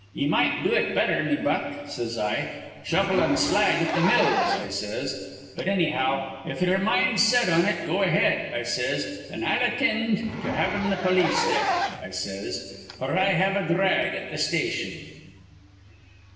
'Ye might do it betther, me buck,' says I, 'shovellin' slag at th' mills,' I says. 'But annyhow, if ye'er mind's set on it, go ahead,' I says, 'an' I'll attind to havin' th' polis there,' I says, 'f'r I have a dhrag at th' station.'